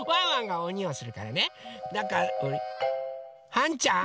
はんちゃん？